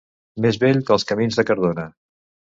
Més vell que els camins de Cardona.